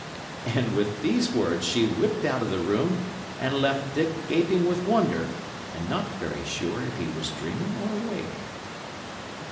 And with these words, she whipped out of the room and left Dick gaping with wonder, and not very sure if he were dreaming or awake.